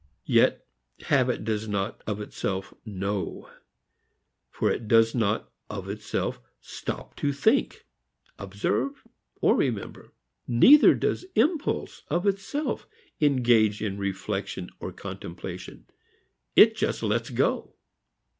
Yet habit does not, of itself, know, for it does not of itself stop to think, observe or remember. Neither does impulse of itself engage in reflection or contemplation. It just lets go.